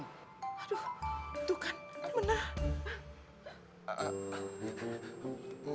aduh tuh kan bener